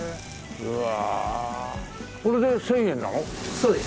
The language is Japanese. そうです。